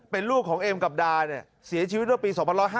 เป็นลูกของเอมกับดาสีชีวิตรอบปี๒๕๗